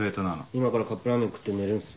今からカップラーメン食って寝るんす。